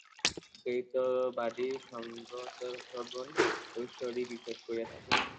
দ্বৈতবাদী সগুণ ঈশ্বরই বিশ্বাস করিয়া থাকেন।